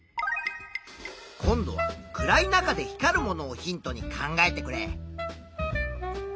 今度は暗い中で光るものをヒントに考えてくれ。